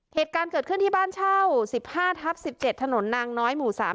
เหตุการณ์เกิดขึ้นที่บ้านเช่าสิบห้าทับสิบเจ็ดถนนนางน้อยหมู่สาม